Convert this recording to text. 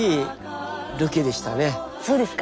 そうですか。